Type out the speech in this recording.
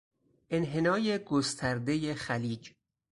انحنای گستردهی خلیج